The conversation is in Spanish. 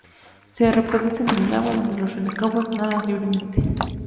Se reproducen en el agua, donde los renacuajos nadan libremente.